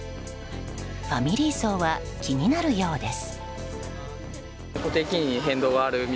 ファミリー層は気になるようです。